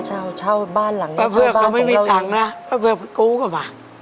เช่าบ้านหลังนี้เช่าบ้านของเราเองป้าเผือกก็ไม่มีตังค์น่ะป้าเผือกไปกู้เข้ามา